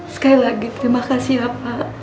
sekali lagi terima kasih ya pak